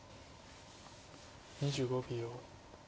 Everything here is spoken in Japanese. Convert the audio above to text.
２５秒。